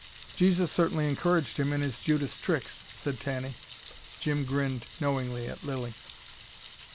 "Jesus certainly encouraged him in his Judas tricks," said Tanny. Jim grinned knowingly at Lilly.